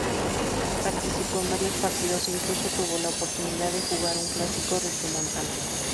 Participó en varios partidos e incluso tubo la oportunidad de jugar un clásico regiomontano.